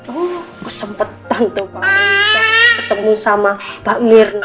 oh kesempetan tuh pak riza ketemu sama pak mirna